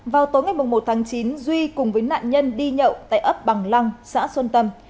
vào tối ngày một tháng chín duy cùng với nạn nhân đi nhậu tại ấp bằng lăng xã xuân tâm